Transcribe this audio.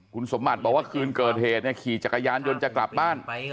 คุณสมบัติบอกว่าคืนเกิดเหตุเนี่ยขี่จักรยานยนต์จะกลับบ้าน